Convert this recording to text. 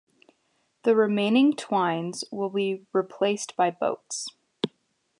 The remaining "Tyne"s will be replaced by boats.